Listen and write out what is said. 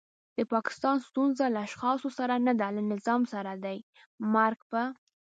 د پاکستان ستونزه له اشخاصو سره نده له نظام سره دی. مرګ په